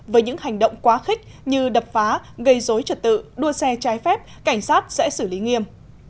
với những hành động quá khích như đập phá gây dối trật tự đua xe trái phép cảnh sát sẽ xử lý nghiêm